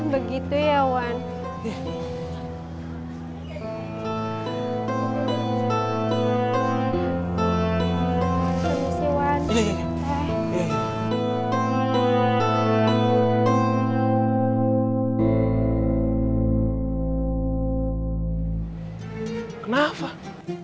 begitu ya hewan